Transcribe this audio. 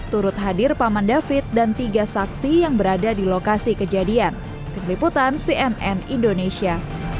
menurut hadir paman david dan tiga saksi yang berada di lokasi kejadian keliputan cnn indonesia